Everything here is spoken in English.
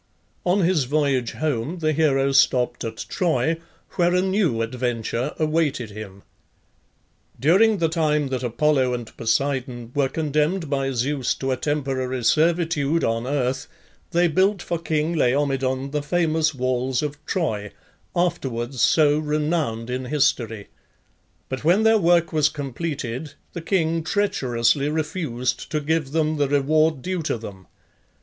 On his voyage home the hero stopped at Troy, where a new adventure awaited him. During the time that Apollo and Poseidon were condemned by Zeus to a temporary servitude on earth, they built for king Laomedon the famous walls of Troy, afterwards so renowned in history; but when their work was completed the king treacherously refused to give them the reward due to them.